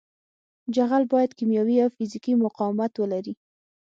جغل باید کیمیاوي او فزیکي مقاومت ولري